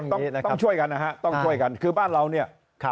ต้องช่วยกันนะฮะต้องช่วยกันคือบ้านเราเนี่ย